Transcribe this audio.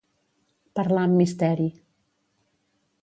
Parlar amb misteri.